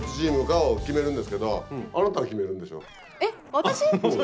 私。